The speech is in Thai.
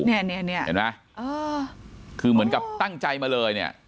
เนี้ยเนี้ยเนี้ยเห็นไหมอ่าคือเหมือนกับตั้งใจมาเลยเนี้ย